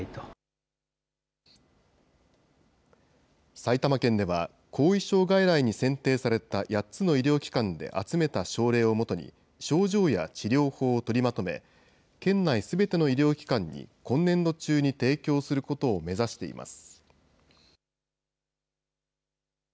埼玉県では、後遺症外来に選定された８つの医療機関で集めた症例をもとに、症状や治療法を取りまとめ、県内すべての医療機関に今年度中に提供することを目指しています。